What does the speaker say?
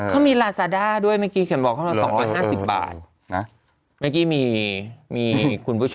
เขามีลาซาด้าด้วยเมื่อกี้เขียนบอกเขาว่า๒กว่า๕๐บาท